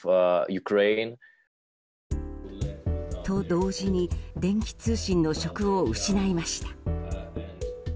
と同時に、電気通信の職を失いました。